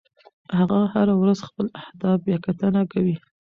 هغه هره ورځ خپل اهداف بیاکتنه کوي.